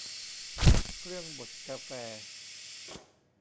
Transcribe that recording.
เครื่องบดกาแฟ